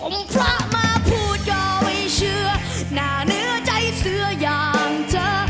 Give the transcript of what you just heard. พระมาพูดก็ไม่เชื่อหน้าเนื้อใจเสื้ออย่างเธอ